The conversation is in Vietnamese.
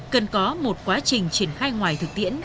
cần có một quá trình triển khai ngoài thực tiễn